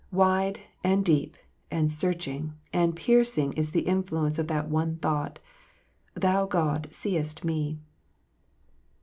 Wide, and deep, and searching, and piercing is the influence of that one thought, " Thou God seest me."